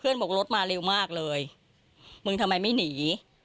บอกรถมาเร็วมากเลยมึงทำไมไม่หนี